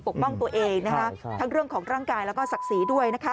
ป้องตัวเองทั้งเรื่องของร่างกายแล้วก็ศักดิ์ศรีด้วยนะคะ